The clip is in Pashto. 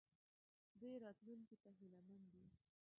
دوی راتلونکي ته هیله مند دي.